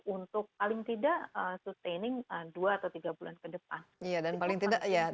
untuk paling tidak sustaining dua atau tiga bulan ke depan